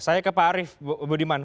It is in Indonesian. saya ke pak arief budiman